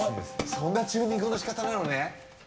そんなチューニングのしかたなのね。